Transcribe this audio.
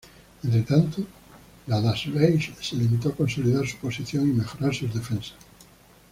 Entretanto, la Das Reich se limitó a consolidar su posición y mejorar sus defensas.